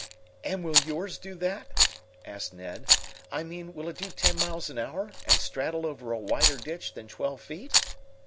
"And will yours do that?" asked Ned. "I mean will it do ten miles an hour, and straddle over a wider ditch than twelve feet?"